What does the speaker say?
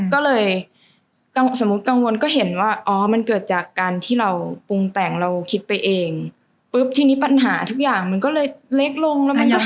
ก็เลยสมมุติกังวลก็เห็นว่าอ๋อมันเกิดจากการที่เราปรุงแต่งเราคิดไปเองปุ๊บทีนี้ปัญหาทุกอย่างมันก็เลยเล็กลงแล้วมันยัง